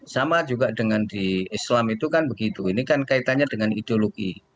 sama juga dengan di islam itu kan begitu ini kan kaitannya dengan ideologi